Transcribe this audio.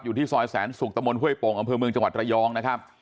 อยู่ที่ซอยแสนศุกร์ตะมนตห้วยโป่งอำเภอเมืองจังหวัดระยองนะครับ